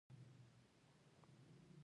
د مېز له پاسه پر پرتې شمعې مې سترګې ښخې کړې.